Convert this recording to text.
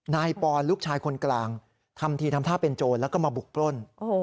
นายปอนลูกชายคนกลางทำทีทำท่าเป็นโจรแล้วก็มาบุกปล้น